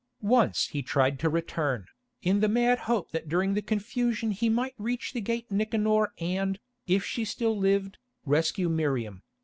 Once he tried to return, in the mad hope that during the confusion he might reach the gate Nicanor and, if she still lived, rescue Miriam.